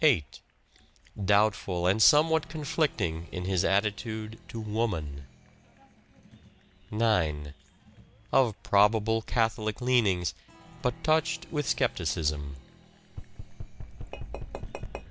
Doubtful and somewhat conflicting in his attitude to woman. 9. Of probable Catholic leanings, but touched with scepticism.